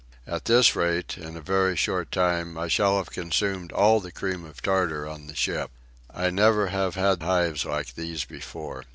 At this rate, in a very short time I shall have consumed all the cream of tartar on the ship. I never have had hives like these before.